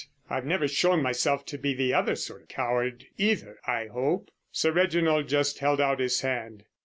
I've never shown myself to be the other sort of coward, either, I hope?" Sir Reginald just held out his hand.